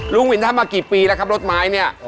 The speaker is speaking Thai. ลุงวินทำมากี่ปีแล้วครับรถไม้เนี่ย